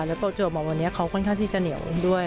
แล้วประจวบมาวันนี้เขาค่อนข้างที่จะเหนียวด้วย